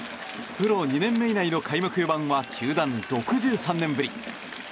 プロ２年目以内の開幕４番は球団６３年ぶり。